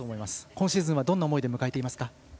今シーズンはどんな思いで迎えていますか？